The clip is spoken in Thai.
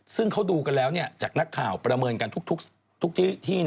ซึ่งเขาดูกันแล้วจากนักข่าวประเมินกันทุกที่